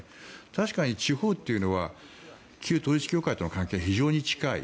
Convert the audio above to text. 確かに地方というのは旧統一教会との関係非常に近い。